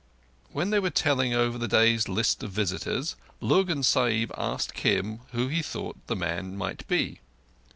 When they were telling over the day's list of visitors, Lurgan Sahib asked Kim who he thought the man might be.